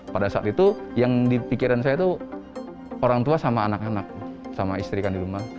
pada saat itu yang dipikiran saya tuh orang tua sama anak anak sama istri kan di rumah